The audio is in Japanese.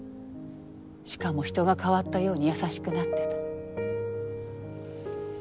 しかも人が変わったように優しくなってた。